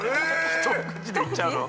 ⁉一口で行っちゃうの？